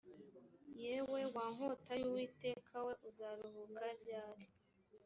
yewe wa nkota y’uwiteka we uzaruhuka ryari?